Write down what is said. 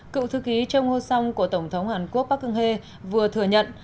cựu thư ký trong hô song của tổng thống hàn quốc park geun hye vừa thừa nhận